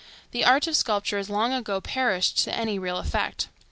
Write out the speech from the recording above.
The art of sculpture is long ago perished to any real effect.